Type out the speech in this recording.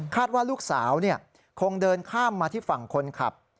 ว่าลูกสาวคงเดินข้ามมาที่ฝั่งคนขับ